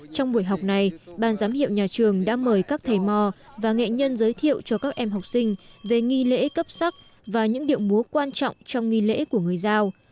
trong buổi học này ban giám hiệu nhà trường đã mời các thầy mò và nghệ nhân giới thiệu cho các em học sinh về nghi lễ cấp sắc và những điệu múa quan trọng trong nghi lễ của người giao